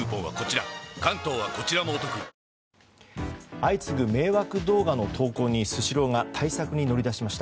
相次ぐ迷惑動画の投稿にスシローが対策に乗り出しました。